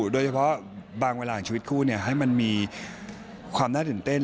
โดยเฉพาะบางเวลาของชีวิตคู่ให้มันมีความน่าตื่นเต้น